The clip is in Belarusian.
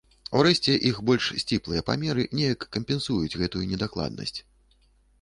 Урэшце іх больш сціплыя памеры неяк кампенсуюць гэтую недакладнасць.